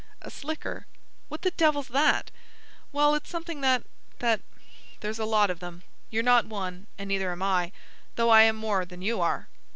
"A slicker." "What the devil's that?" "Well, it's something that—that—there's a lot of them. You're not one, and neither am I, though I am more than you are."